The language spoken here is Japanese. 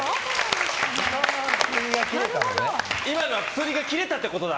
薬が切れたってことだ。